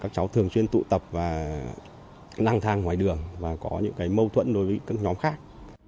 các cháu thường xuyên tụ tập và lang thang ngoài đường và có những mâu thuẫn đối với các nhóm khác